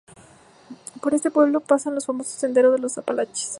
Por este pueblo, pasa el famoso Sendero de los Apalaches.